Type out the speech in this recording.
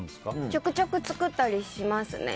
ちょくちょく作ったりしますね。